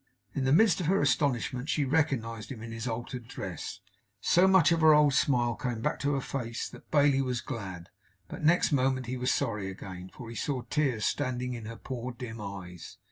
In the midst of her astonishment as she recognized him in his altered dress, so much of her old smile came back to her face that Bailey was glad. But next moment he was sorry again, for he saw tears standing in her poor dim eyes.